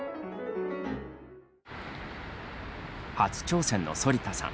初挑戦の反田さん。